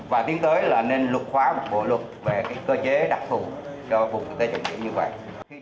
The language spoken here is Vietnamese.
và tiến tới là nên luật hóa một bộ luật về cơ chế đặc thù cho vùng kinh tế trọng điểm như vậy